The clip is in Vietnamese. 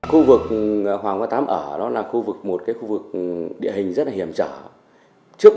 hoàng văn tám là một khu vực địa hình rất hiểm trở trước mặt là sông lô và đằng sau là đồi núi và đây là một khu rất nhiều người dân tộc tập trung sinh sống